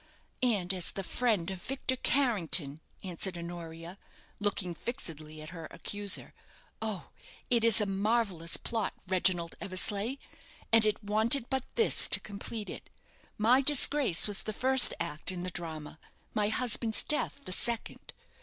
"And as the friend of Victor Carrington," answered Honoria, looking fixedly at her accuser. "Oh! it is a marvellous plot, Reginald Eversleigh, and it wanted but this to complete it. My disgrace was the first act in the drama, my husband's death the second.